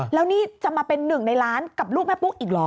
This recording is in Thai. แล้วนี่จะมาเป็นหนึ่งในล้านกับลูกแม่ปุ๊กอีกเหรอ